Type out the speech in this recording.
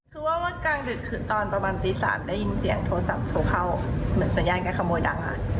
คือว่าเมื่อกลางดึกคือตอนประมาณตี๓ได้ยินเสียงโทรศัพท์โทรเข้าเหมือนสัญญาณการขโมยดังค่ะ